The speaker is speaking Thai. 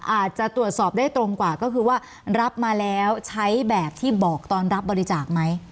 อาจจะตรวจสอบได้ตรงกว่าก็คือว่ารับมาแล้วใช้แบบที่บอกตอนรับบริจาคไหม